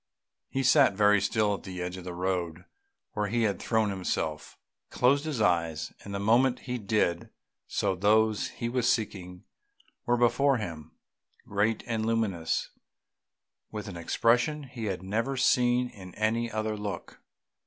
He sat very still at the edge of the road where he had thrown himself. He closed his eyes, and the moment he did so those he was seeking were before him, great and luminous, with an expression he had never seen in any other look.